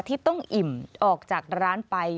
ที่ต้องอิ่มออกจากร้านไป